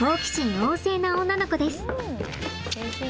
旺盛な女の子です。